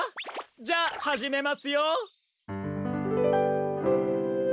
じゃあはじめますよ！